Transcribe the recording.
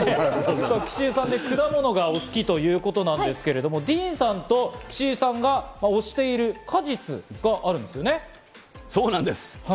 岸井さん、果物がお好きということですけど、ディーンさんと岸井さんが推している果実があるんそうなんです。